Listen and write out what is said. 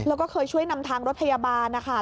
แล้วก็เคยช่วยนำทางรถพยาบาลนะคะ